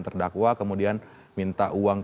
terdakwa kemudian minta uang